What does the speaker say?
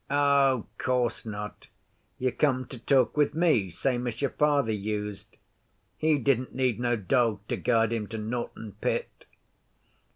'O' course not. You come to talk with me same as your father used. He didn't need no dog to guide him to Norton Pit.